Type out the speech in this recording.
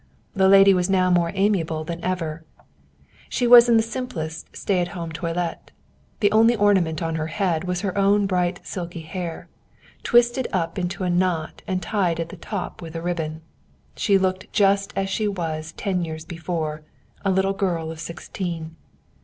The lady was now more amiable than ever. She was in the simplest stay at home toilet. The only ornament on her head was her own bright silky hair, twisted up into a knot and tied at the top with a ribbon. She looked just as she was ten years before, a little girl of sixteen.